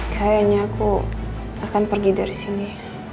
kayaknya aku akan pergi dari sini